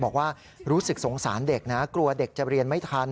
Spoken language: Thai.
บอกว่ารู้สึกสงสารเด็กนะกลัวเด็กจะเรียนไม่ทัน